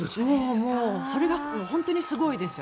それが本当にすごいです。